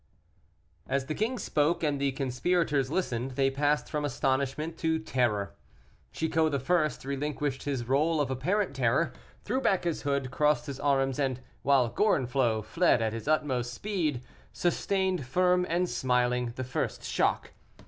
As the king spoke and the conspirators listened, they passed from astonishment to terror. Chicot I. relinquished his role of apparent terror, threw back his hood, crossed his arms, and, while Gorenflot fled at his utmost speed, sustained, firm and smiling, the first shock.